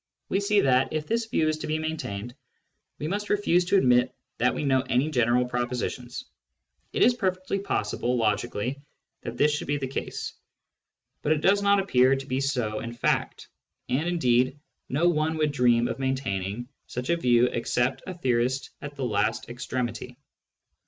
We sec that, if this view is to be maintained, we must refuse to admit that we know any general propositions. It is perfectly possible logically that this should be the case, but it does not appear to be so in fact, and indeed no one would dream of maintaining such a view except a theorist at the last \ extremity.